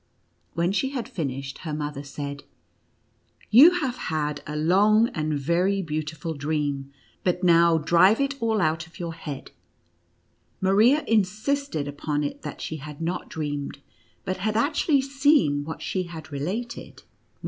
When she had finished, her mother said: " You have had a long and very beautiful dream, but now drive it all out of your head." Maria insisted upon it that she had not dreamed, but had actually seen what she had related, when 9 130 NUTCRACKER AND MOUSE KING.